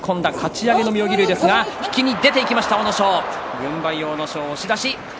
軍配、阿武咲、押し出し。